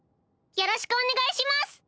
よろしくお願いします。